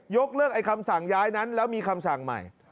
ยกเลิกไอ้คำสั่งย้ายนั้นแล้วมีคำสั่งใหม่